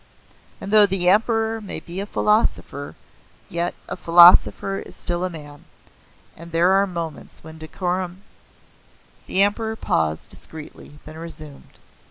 And though the Emperor be a philosopher, yet a philosopher is still a man, and there are moments when decorum " The Emperor paused discreetly; then resumed.